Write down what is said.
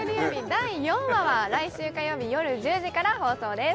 第４話は毎週火曜日夜１０時から放送です